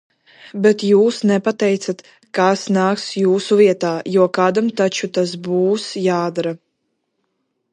Bet jūs nepateicāt, kas nāks jūsu vietā, jo kādam taču tas būs jādara.